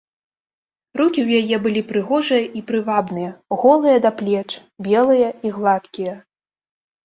Рукі ў яе былі прыгожыя і прывабныя, голыя да плеч, белыя і гладкія.